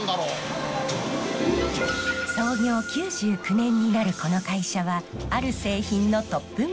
創業９９年になるこの会社はある製品のトップメーカー。